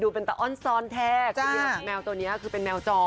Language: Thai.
เป็นแต่อ้อนซอนแท็กจ้าแมวตัวเนี้ยคือเป็นแมวจร